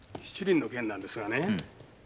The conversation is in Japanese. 七輪の件なんですがね。